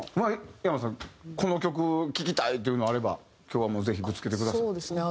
ｙａｍａさんこの曲聞きたいというのがあれば今日はもうぜひぶつけてください。